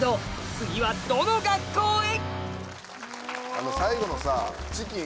次はどの学校へ？